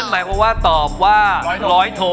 นั่นหมายความว่าตอบว่า๑๐๐โท